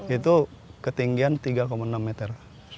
itu ketinggian tiga enam meter